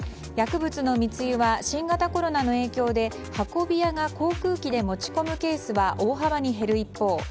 薬物の密輸は新型コロナの影響で運び屋が航空機で持ち込むケースが大幅に減る一方